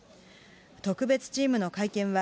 特別チームの会見は、